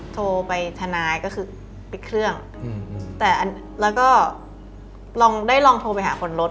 โทรไปทนายก็คือปิดเครื่องแต่แล้วก็ลองได้ลองโทรไปหาคนรถ